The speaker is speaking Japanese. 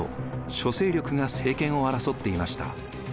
諸勢力が政権を争っていました。